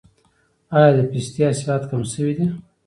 آیا د پستې حاصلات کم شوي دي؟